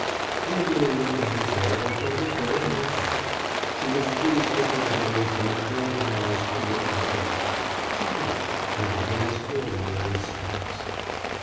Gwendolen looked at his hair and thought it very handsome. She was pleased with the admiration that filled his eyes when they caught hers. She blushed, and they danced for a while in silence.